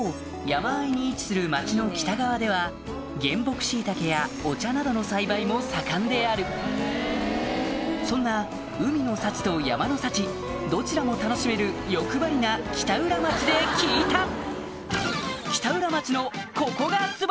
山あいに位置する町の北側では原木しいたけやお茶などの栽培も盛んであるそんな海の幸と山の幸どちらも楽しめる欲張りな北浦町で聞いたお！